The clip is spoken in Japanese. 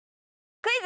「クイズ！